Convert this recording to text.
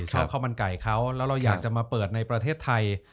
ข้าวมันไก่เขาแล้วเราอยากจะมาเปิดในประเทศไทย